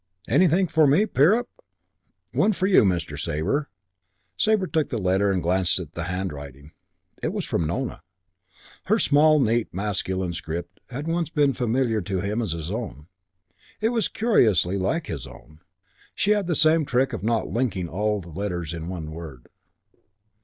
"Anything for me, Pirrip?" "One for you, Mr. Sabre." Sabre took the letter and glanced at the handwriting. It was from Nona. Her small, neat, masculine script had once been as familiar to him as his own. It was curiously like his own. She had the same trick of not linking all the letters in a word.